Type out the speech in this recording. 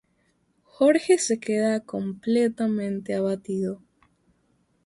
Jorge se queda completamente abatido.